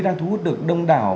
đang thu hút được đông đảo